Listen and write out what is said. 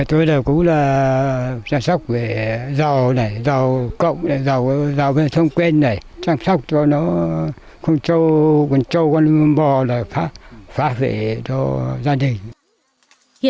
tôi cũng là trang sốc về dầu này dầu cộng này dầu thông quên này trang sốc cho nó không cho con bò phá về cho gia đình